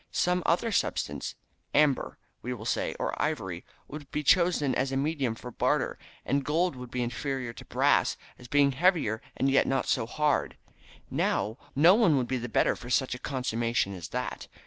Some other substance amber, we will say, or ivory would be chosen as a medium for barter, and gold would be inferior to brass, as being heavier and yet not so hard. No one would be the better for such a consummation as that.